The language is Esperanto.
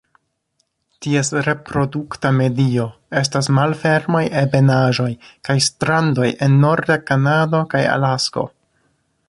Ties reprodukta medio estas malfermaj ebenaĵoj kaj strandoj en norda Kanado kaj Alasko.